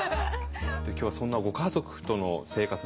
今日はそんなご家族との生活